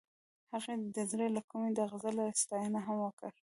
هغې د زړه له کومې د غزل ستاینه هم وکړه.